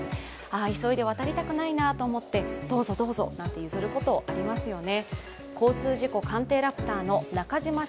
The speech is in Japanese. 急いで渡りたくないなと思ってどうぞどうぞなんて譲ること、ありますよね。